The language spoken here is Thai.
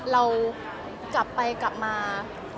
เรากลับไปกลับมา